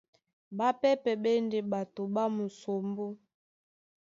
Ɓápɛ́pɛ̄ ɓá e ndé ɓato ɓá musombó.